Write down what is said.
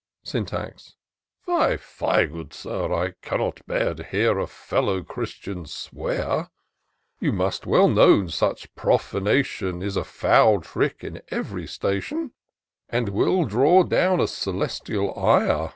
Syntax. " Fie ! fie ! good Sir, I cannot bear To hear a fellow christian swear ; You must well know such profanation Is a foul trick in ev'ry station ; And will draw down celestial ire.